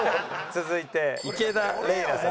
続いて池田レイラさん。